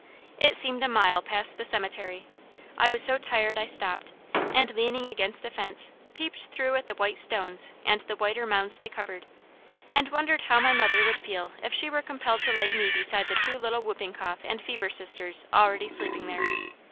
It seemed a mile past the cemetery. I was so tired I stopped, and leaning against the fence, peeped through at the white stones and the whiter mounds they covered, and wondered how my mother would feel if she were compelled to lay me beside the two little whooping cough and fever sisters already sleeping there.